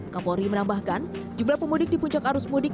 kapolri menambahkan jumlah pemudik di puncak arus mudik